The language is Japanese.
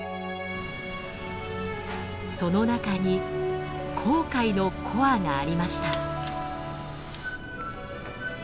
その中に紅海のコアがありました。